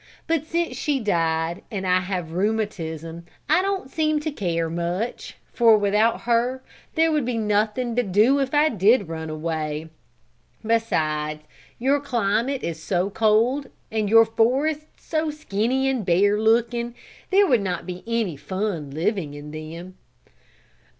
But since she died and I have rheumatism I don't seem to care much, for without her there would be nothing to do if I did run away; beside your climate is so cold, and your forests so skinny and bare looking there would not be any fun living in them."